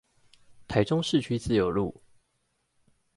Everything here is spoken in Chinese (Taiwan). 台中市區自由路